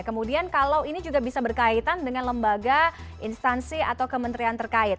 kemudian kalau ini juga bisa berkaitan dengan lembaga instansi atau kementerian terkait